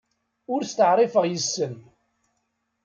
Ur steɛṛifeɣ yes-sen.